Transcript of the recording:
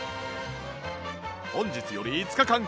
本日より５日間限定